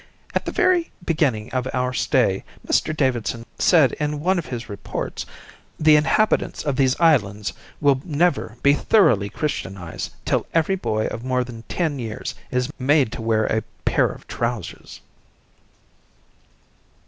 At the very beginning of our stay Mr Davidson said in one of his reports: the inhabitants of these islands will never be thoroughly Christianised till every boy of more than ten years is made to wear a pair of trousers."